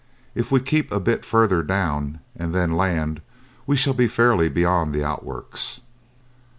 If we keep a bit farther down and then land, we shall be fairly beyond the outworks."